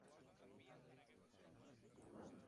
Actualmente se comercializan dos tipos, tradicional y blanca.